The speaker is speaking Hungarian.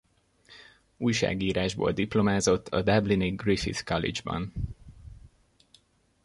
Újságírásból diplomázott a dublini Griffith College-ban.